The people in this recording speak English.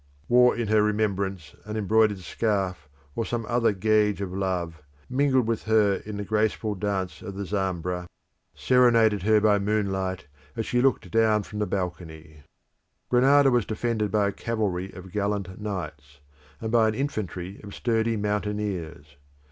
wore in her remembrance an embroidered scarf or some other gage of love, mingled with her in the graceful dance of the Zambra, serenaded her by moonlight as she looked down from the balcony. Granada was defended by a cavalry of gallant knights, and by an infantry of sturdy mountaineers.